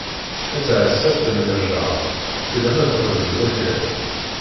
A taɛeṣṣabt n lmerjan, fell-am ad xedmen waklan.